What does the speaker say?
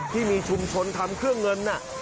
ที่มีชุมชนทำเครื่องเงิน